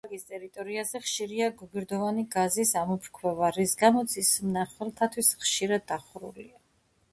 პარკის ტერიტორიაზე ხშირია გოგირდოვანი გაზის ამოფრქვევა, რის გამოც ის მნახველთათვის ხშირად დახურულია.